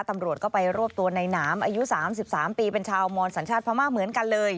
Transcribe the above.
ตำรวจก็ไปรวบตัวในหนามอายุ๓๓ปีเป็นชาวมอนสัญชาติพม่าเหมือนกันเลย